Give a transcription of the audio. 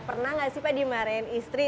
pernah nggak sih pak dimarahin istri